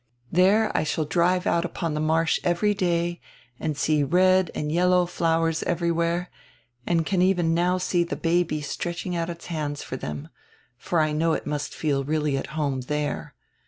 There I shall drive out upon die marsh every day and see red and yellow flowers everywhere, and I can even now see the baby stretching out its hands for them, for I know it must feel really at home there.